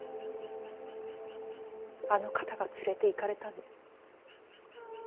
あの方が連れていかれたの？